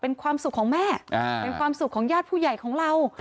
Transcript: เป็นความสุขของแม่เป็นความสุขของญาติผู้ใหญ่ของเรา